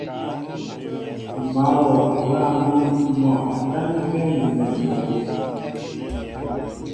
M̀ mǎl wɔ a lâŋ mín mɔ a tánɛ́kɛ́ ǹnɛn ápə́.